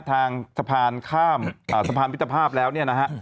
ทางสะพานข้ามสะพานมิตรภาพแล้วเนี่ยนะฮะ